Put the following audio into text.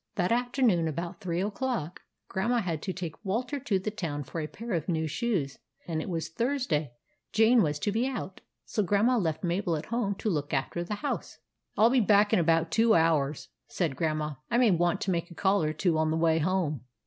That afternoon about three o'clock, Grandma had to take Walter to the town for a pair of new shoes, and as it was Thurs day, Jane was to be out; so Grandma left Mabel at home to look after the house. " I '11 be back in about two hours," said Grandma. " I may want to make a call or two on the way home."